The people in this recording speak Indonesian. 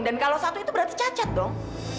dan kalau satu itu berarti cacat dong